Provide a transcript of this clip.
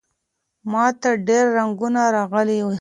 ماته ډېر زنګونه راغلي وو.